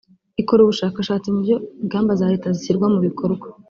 ikora ubushakashatsi mu buryo ingamba za leta zishyirwa mu bikorwa